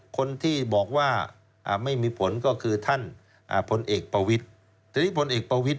คนที่บอกว่าไม่มีผลก็คือท่านผลเอกประวิทย์